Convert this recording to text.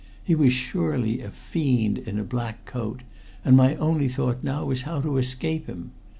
He was surely a fiend in a black coat, and my only thought now was how to escape him.